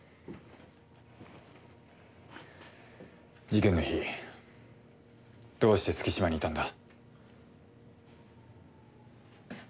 事件の日どうして月島にいたんだ？